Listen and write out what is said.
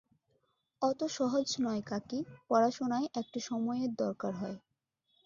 অত সহজ নয় কাকী, পড়াশুনায় একটু সময়ের দরকার হয়।